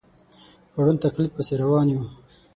په ړوند تقلید پسې روان یو.